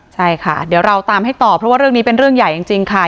ใช่ค่ะเดี๋ยวเราตามให้ต่อเพราะว่าเรื่องนี้เป็นเรื่องใหญ่จริงค่ะ